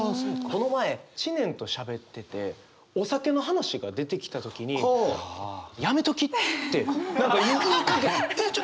この前知念としゃべっててお酒の話が出てきた時に「やめとき！」って何か言いかけた。